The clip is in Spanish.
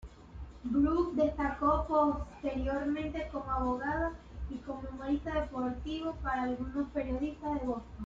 Burke destacó posteriormente como abogado y comentarista deportivo para algunos periódicos de Boston.